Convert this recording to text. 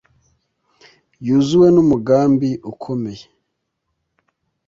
Yuzuwe n’umugambi ukomeye